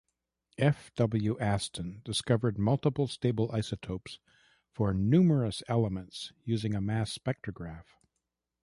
F. W. Aston discovered multiple stable isotopes for numerous elements using a mass spectrograph.